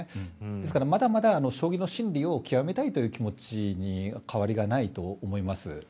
ですからまだまだ将棋の真理を極めたいという気持ちに変わりがないと思います。